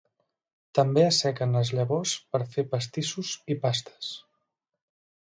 També assequen les llavors per fer pastissos i pastes.